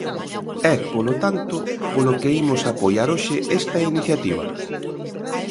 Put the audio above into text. É, polo tanto, polo que imos apoiar hoxe esta iniciativa.